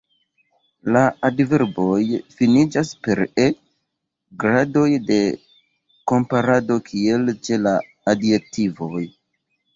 La adverboj finiĝas per e; gradoj de komparado kiel ĉe la adjektivoj.